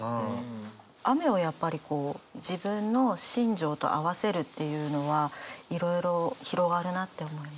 雨をやっぱりこう自分の心情と合わせるっていうのはいろいろ広がるなって思います。